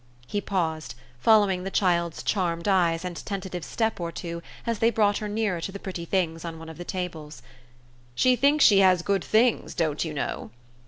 He paused, following the child's charmed eyes and tentative step or two as they brought her nearer to the pretty things on one of the tables. "She thinks she has good things, don't you know!"